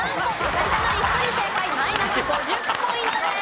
有田ナイン１人正解マイナス５０ポイントです。